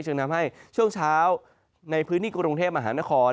ทำให้ช่วงเช้าในพื้นที่กรุงเทพมหานคร